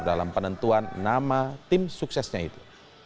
dalam penentuan nama tim suksesnya itu